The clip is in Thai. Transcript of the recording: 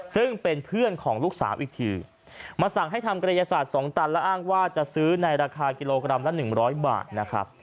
ซึ่งเป็นเพื่อนของลูกสาวอีกทีมาสั่งให้ทำกรยาศาสตร์๒ตันและอ้างว่าจะซื้อในราคากิโลกรัมละ๑๐๐บาทนะครับ